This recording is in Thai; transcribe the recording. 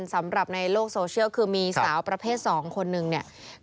สำหรับในโลกโซเชียลคือมีสาวประเภท๒คนนึงเนี่ย